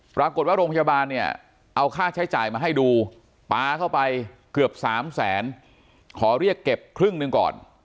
ปรากฏว่าโรงพยาบาลเนี่ยเอาค่าใช้จ่ายมาให้ดูปลาเข้าไปเกือบ๓แสนขอเรียกเก็บครึ่งหนึ่งก่อน